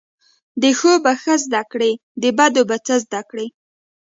د ښو به ښه زده کړی، د بدو به څه زده کړی